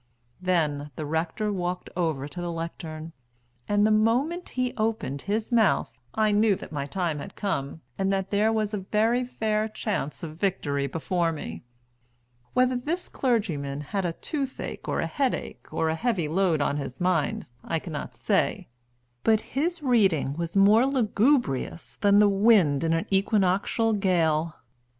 Then the rector walked over to the lectern, and the moment he opened his mouth I knew that my time had come, and that there was a very fair chance of victory before me. Whether this clergyman had a toothache, or a headache, or a heavy load on his mind, I cannot say, but his reading was more lugubrious than the wind in an equinoctial gale.